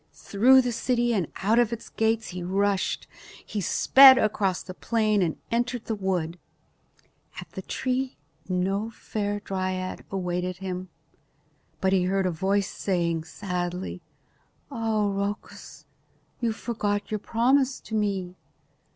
Through the city and out of its gates he rushed. He sped across the plain and entered the wood. At the tree no fair dryad awaited him. But he heard a voice saying sadly, "Ah, Rhoecus, you forgot your promise to me.